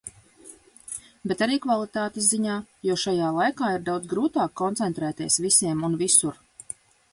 Bet arī kvalitātes ziņā. Jo šajā laikā ir daudz grūtāk koncentrēties visiem un visur.